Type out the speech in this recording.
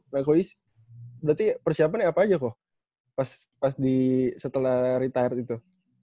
nah ko yus berarti persiapannya apa aja kok pas di setelah retired itu